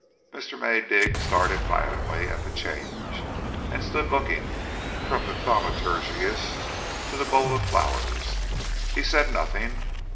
Mr. Maydig started violently at the change, and stood looking from the thaumaturgist to the bowl of flowers. He said nothing.